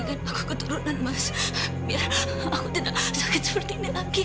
aku tidak seperti ini lagi